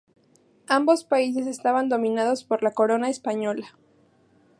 Ambos países estaban dominados por la corona española.